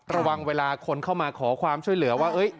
ระวังเวลาคนเข้ามาขอความช่วยเหลือว่า